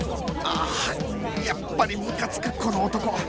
ああやっぱりムカつくこの男！